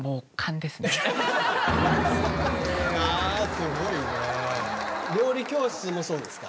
すごいね。